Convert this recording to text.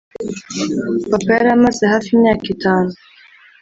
Papa yari amaze hafi imyaka itanu